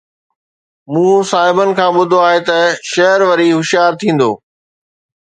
مون صاحبن کان ٻڌو آهي ته شعر وري هوشيار ٿيندو